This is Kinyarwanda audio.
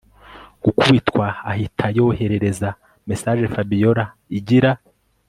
gukubitwa ahita yoherereza message Fabiora igira